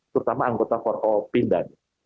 terutama anggota forkopimda